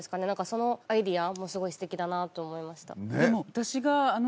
そのアイデアもすごい素敵だなと思いました